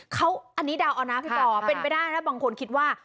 เขาอันนี้เดาเอานะพี่ปอเป็นไปได้นะบางคนคิดว่า